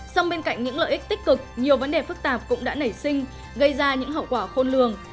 song bên cạnh những lợi ích tích cực nhiều vấn đề phức tạp cũng đã nảy sinh gây ra những hậu quả khôn lường